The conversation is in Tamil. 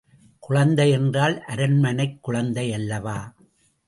குழந்தை யென்றால் அரண்மனைக் குழந்தை அல்லவா?